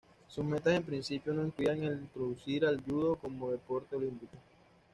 Sus metas en principio no incluían el introducir al judo como deporte olímpico.